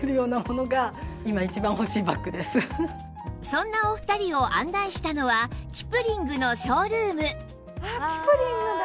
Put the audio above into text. そんなお二人を案内したのはキプリングのショールーム